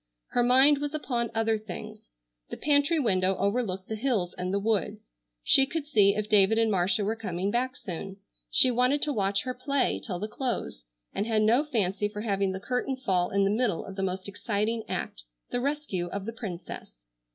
Her mind was upon other things. The pantry window overlooked the hills and the woods. She could see if David and Marcia were coming back soon. She wanted to watch her play till the close, and had no fancy for having the curtain fall in the middle of the most exciting act, the rescue of the princess.